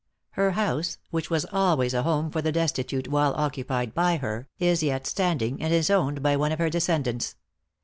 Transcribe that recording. Her house, which was always a home for the destitute while occupied by her, is yet standing, and is owned by one of her descendants.